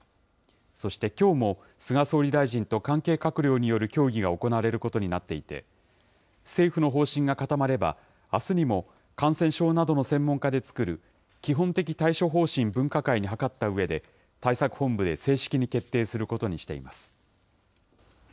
そしてきょうも、菅総理大臣と関係閣僚による協議が行われることになっていて、政府の方針が固まれば、あすにも感染症などの専門家で作る基本的対処方針分科会に諮ったうえで、対策本部で正式に決定することにしています。